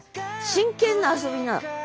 真剣な遊びなの。